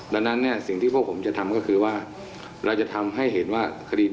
ดังนั้นสิ่งที่พวกผมจะทำก็คือว่าเราจะทำให้เห็นว่าคดี